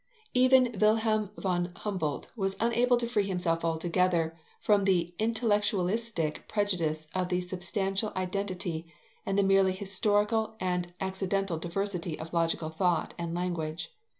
Even Wilhelm von Humboldt was unable to free himself altogether from the intellectualistic prejudice of the substantial identity and the merely historical and accidental diversity of logical thought and language.